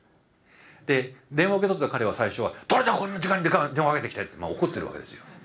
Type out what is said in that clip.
で電話を受け取った彼は最初は「誰だこんな時間に電話かけてきて」って怒ってるわけですよ。